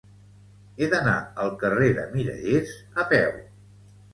He d'anar al carrer de Mirallers a peu.